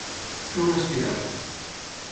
Fer una estirada.